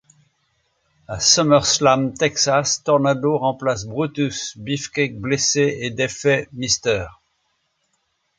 À SummerSlam, Texas Tornado remplace Brutus Beefcake blessé et défait Mr.